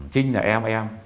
trinh là em em